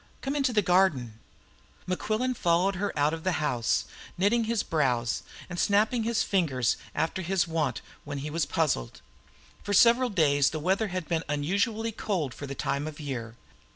Come into the garden." Mequilleri followed her out of the house, knitting his brows, and snapping his fingers, after his wont when he was puzzled. For several days the weather had been unusually cold for the time of year.